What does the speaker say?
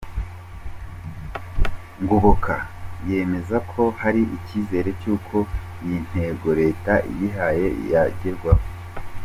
Ngoboka yemeza ko hari icyizere cy’uko iyi ntego leta yihaye yagerwaho.